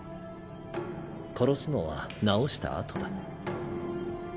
殺すのは治したあとだ。